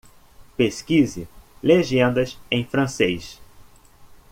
Pesquise legendas em francês.